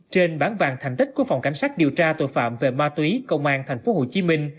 trên bán vàng thành tích của phòng cảnh sát điều tra tội phạm về ma túy công an tp hcm